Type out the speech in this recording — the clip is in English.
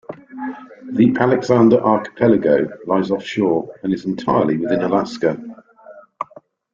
The Alexander Archipelago lies offshore and is entirely within Alaska.